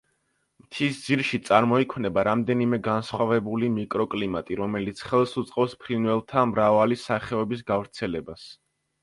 მთის ძირში, წარმოიქმნება რამდენიმე განსხვავებული მიკროკლიმატი, რომელიც ხელს უწყობს ფრინველთა მრავალი სახეობის გავრცელებას.